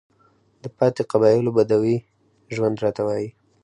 د پاتې قبايلو بدوى ژوند راته وايي،